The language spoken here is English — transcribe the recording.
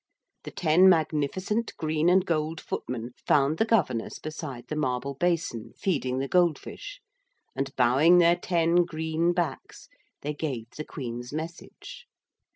The ten magnificent green and gold footmen found the governess beside the marble basin feeding the gold fish, and, bowing their ten green backs, they gave the Queen's message.